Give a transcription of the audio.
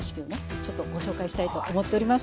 ちょっとご紹介したいと思っております。